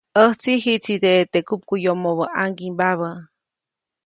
ʼÄjtsi jiʼtside teʼ kupkuʼyomobä ʼaŋgimbabä.